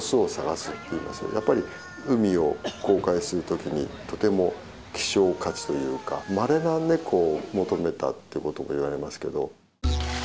やっぱり海を航海する時にとても希少価値というかまれなネコを求めたっていうことがいわれますけど。